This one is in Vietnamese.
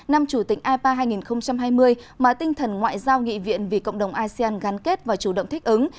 năm chủ tịch ipa hai nghìn hai mươi mà tinh thần ngoại giao nghị viện vì cộng đồng asean gắn kết và chủ động thích ứng